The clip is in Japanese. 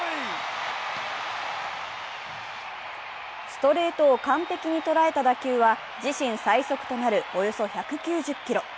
ストレートを完璧に捉えた打球は自身最速となるおよそ１９０キロ。